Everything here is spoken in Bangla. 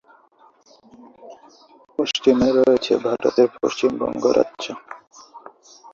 পশ্চিমে রয়েছে ভারতের পশ্চিমবঙ্গ রাজ্য।